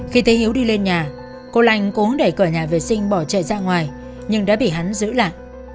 khi thấy hiếu đi lên nhà cô lanh cũng đẩy cửa nhà vệ sinh bỏ chạy ra ngoài nhưng đã bị hắn giữ lại